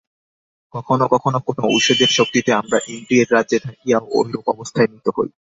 কখনও কখনও কোন ঔষধের শক্তিতে আমরা ইন্দ্রিয়ের রাজ্যে থাকিয়াও ঐরূপ অবস্থায় নীত হই।